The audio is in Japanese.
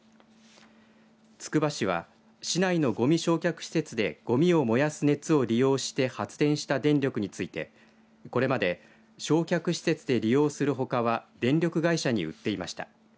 つくば市は市内のごみ焼却施設でごみを燃やす熱を利用して発電した電力についてこれまで焼却施設で利用するほかは電力会社に売っていました。